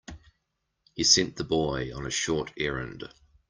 He sent the boy on a short errand.